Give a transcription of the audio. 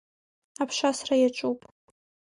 Аԥшасра иаҿуп.